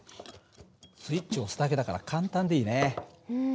スイッチを押すだけだから簡単でいいね。